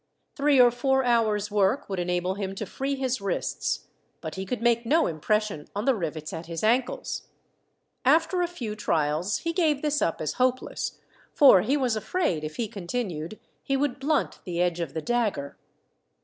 Three or four hours' work would enable him to free his wrists, but he could make no impression on the rivets at his ankles. After a few trials he gave this up as hopeless, for he was afraid, if he continued, he would blunt the edge of the dagger.